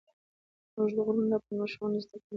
اوږده غرونه د افغان ماشومانو د زده کړې موضوع ده.